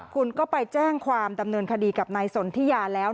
คุณก็ไปแจ้งความดำเนินคดีกับนายสนทิยาแล้ว